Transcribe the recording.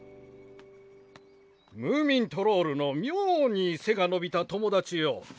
ムーミントロールの妙に背が伸びた友達よ。